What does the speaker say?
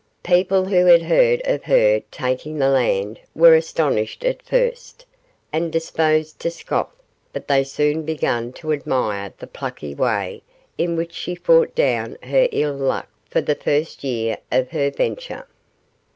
People who had heard of her taking the land were astonished at first, and disposed to scoff, but they soon begun to admire the plucky way in which she fought down her ill luck for the first year of her venture.